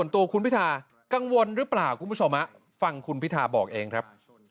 ตัวคุณพิธากังวลหรือเปล่าคุณผู้ชมฟังคุณพิทาบอกเองครับ